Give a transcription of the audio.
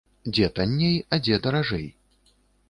Дзе танней, а дзе даражэй?